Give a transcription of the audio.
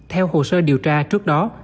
theo hồ sơ điều tra trước đó